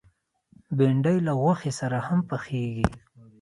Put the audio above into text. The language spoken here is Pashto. بېنډۍ له غوښې سره هم پخېږي